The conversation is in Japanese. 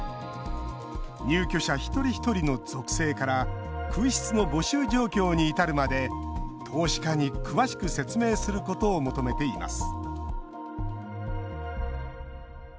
入居者一人一人の属性から空室の募集状況に至るまで投資家に詳しく説明することを求めています